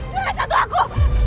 jangan satu aku